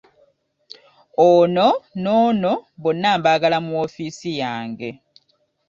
Ono n’ono bonna mbaagala mu woofiisi yange.